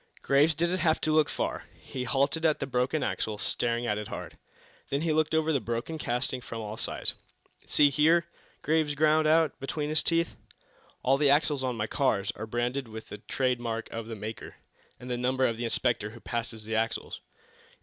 Graves didn't have to look far. He halted at the broken axle, staring at it hard. Then he looked over the broken casting from all sides. "See here," Graves ground out, between his teeth, "all the axles on my cars are branded with the trade mark of the maker, and the number of the inspector who passes the axles.